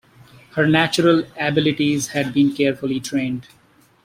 Her natural abilities had been carefully trained.